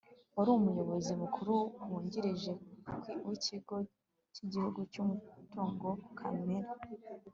wari umuyobozi mukuru wungirije w'ikigo cy'igihugu cy'umutungo kamere